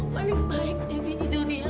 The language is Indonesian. dewi aku orang yang paling baik di dunia